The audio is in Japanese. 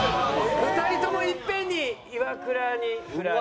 ２人ともいっぺんにイワクラにフラれる。